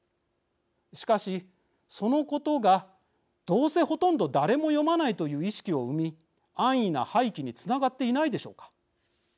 しかし、そのことがどうせほとんど誰も読まないという意識を生み、安易な廃棄につながっていないでしょうか。